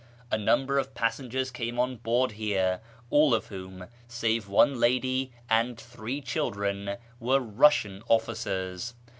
A number of passengers came on board here, all of whom, save one lady and three cliildren, were liussian olhcers.